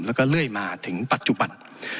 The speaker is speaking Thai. แล้วก็เรื่อยมาถึงปัจจุบัน